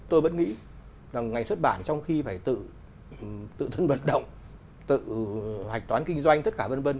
tôi vẫn nghĩ rằng ngành xuất bản trong khi phải tự thân vận động tự hạch toán kinh doanh tất cả vân vân